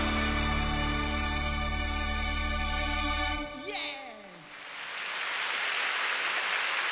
イエーイ！